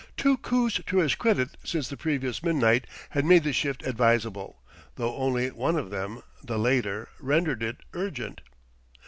Two coups to his credit since the previous midnight had made the shift advisable, though only one of them, the later, rendered it urgent.